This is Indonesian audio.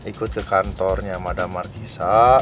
ikut ke kantornya mada markisa